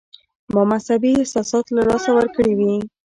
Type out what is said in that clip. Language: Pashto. ما مذهبي احساسات له لاسه ورکړي وي.